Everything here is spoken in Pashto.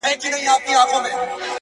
اې ه سترگو کي کينه را وړم”